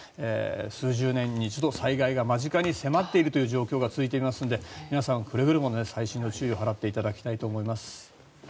数十年に一度災害が間近に迫っているという状況が続いていますので皆さん、くれぐれも細心の注意を払っていただきたいと思います。